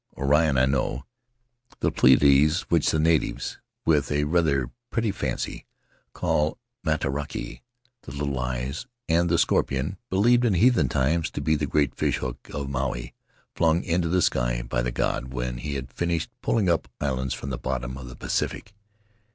Orion I knew; the Pleiades, which the natives, with a rather pretty fancy, call Matariki, the Little Eyes; and the Scorpion, believed in heathen times to be the great fish hook of Maui, flung into the sky by the god, when he had finished pulling up islands from the bottom of the Pacific.